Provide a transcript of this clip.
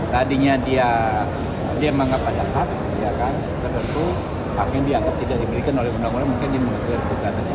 tadinya dia menganggap ada hak ya kan tertentu akhirnya dia tidak diberikan oleh undang undang mungkin di mengetahui